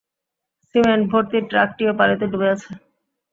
Cement ভর্তি ট্রাকটিও পানিতে ডুবে আছে।